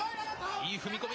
いい踏み込み。